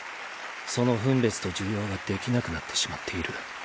その分別と受容ができなくなってしまっている。